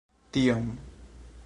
tiom